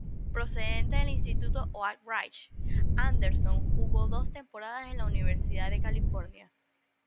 Procedente del Instituto Oak Ridge, Anderson jugó dos temporadas en la Universidad de California.